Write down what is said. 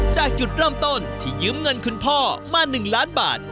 จากจุดเริ่มต้นที่ยืมเงินคุณพ่อมา๑ล้านบาท